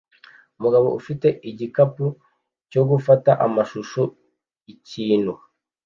Umugabo ufite igikapu cyo gufata amashusho ikintu